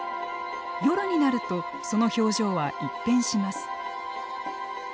夜になるとその表情は一変します。